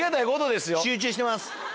集中してます。